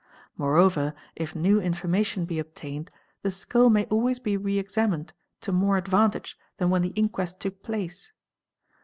— Moreover if new information be obtained the skull may always be re examined to more advantage than when the inquest took place.